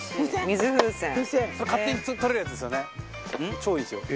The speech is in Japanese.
超いいですよ。